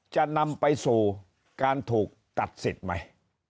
จะนำไปสู่การถูกตัดสิทธิ์ไหม